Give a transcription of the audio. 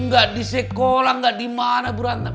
gak di sekolah gak di mana burantap